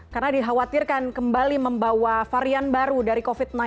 karena dikhawatirkan kembali membawa varian baru dari covid sembilan belas